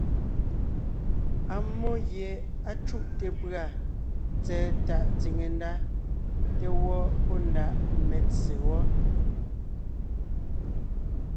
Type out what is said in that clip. Ammó gie á cúte pʉ̀a tsɛ̀ɛ tàʼ tsìne ndá te gẅɔ́ pɔ́ ndaʼ metse wɔ́.